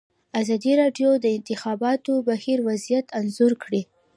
ازادي راډیو د د انتخاباتو بهیر وضعیت انځور کړی.